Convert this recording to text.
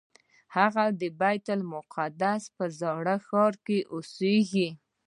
هغه د بیت المقدس په زاړه ښار کې اوسېږي.